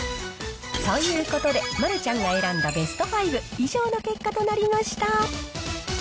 ということで、丸ちゃんが選んだベスト５、以上の結果となりました。